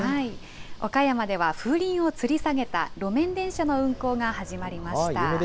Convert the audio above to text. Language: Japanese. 岡山では風鈴をつりさげた路面電車の運行が始まりました。